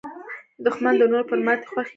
دښمن د نورو پر ماتې خوښېږي